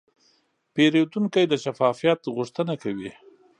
پیرودونکی د شفافیت غوښتنه کوي.